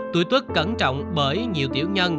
tuổi tuốt cẩn trọng bởi nhiều tiểu nhân